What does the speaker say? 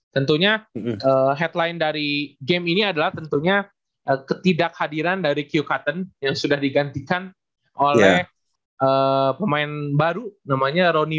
tentunya headline dari game ini adalah tentunya ketidakhadiran dari q catten yang sudah digantikan oleh pemain baru namanya rony